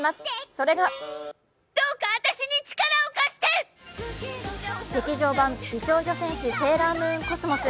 それが劇場版「美少女戦士セーラームーンＣｏｓｍｏｓ」。